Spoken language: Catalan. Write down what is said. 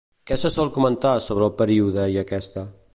Què es sol comentar sobre el període i aquesta?